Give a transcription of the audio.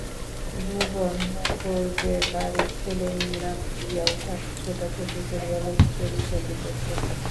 ভুবন মুখুজ্যের বাড়ির ছেলেমেয়েরা মিলিয়া উঠানে ছুটাছুটি করিয়া লুকোচুরি খেলিতেছে।